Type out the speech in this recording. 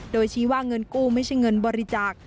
โดยชี้ว่าเงินกู้ไม่ใช่เงินบริจาค